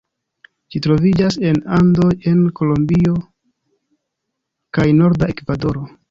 Ĝi troviĝas en Andoj en Kolombio kaj norda Ekvadoro.